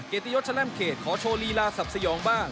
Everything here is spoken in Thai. เกตยศแชลมเขตขอโชว์ลีลาศัพท์สยองบ้าง